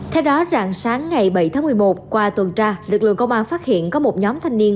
theo đó rạng sáng ngày bảy tháng một mươi một qua tuần tra lực lượng công an phát hiện có một nhóm thanh niên